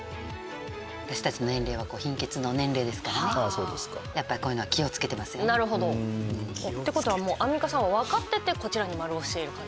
私たちの年齢はやっぱりこういうのは気をつけてますよね。ってことはアンミカさんは分かっててこちらに丸をしている。